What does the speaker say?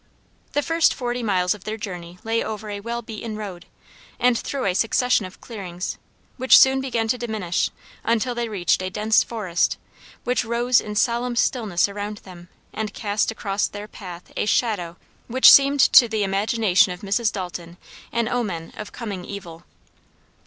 The first forty miles of their journey lay over a well beaten road, and through a succession of clearings, which soon began to diminish until they reached a dense forest, which rose in solemn stillness around them and cast across their path a shadow which seemed to the imagination of Mrs. Dalton an omen of coming evil.